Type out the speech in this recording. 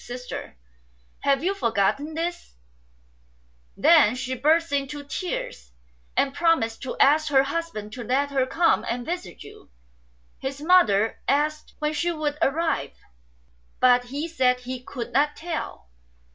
Sister, have you forgotten this ?' Then she burst into tears, and promised to ask her husband to let her come and visit you." His mother asked when she would arrive ; but he said he could not tell.